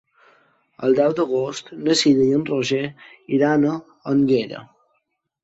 El deu d'agost na Cira i en Roger iran a Énguera.